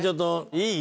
いい？